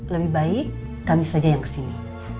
lebih baik kami saja yang kesini